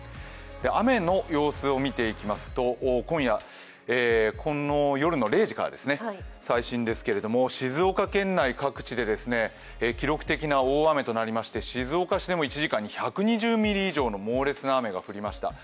雨の様子を見ていきますと、今夜、夜０時からですね、最新ですけれども静岡県内各地で記録的な大雨となりまして静岡市でも１時間に１００ミリ以上の猛烈な雨が降りました。